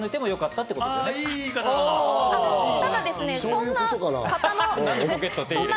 そういうことかな。